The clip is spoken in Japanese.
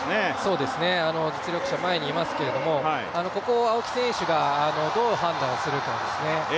実力者前にいますけれども、ここを青木選手がどう判断するかですね。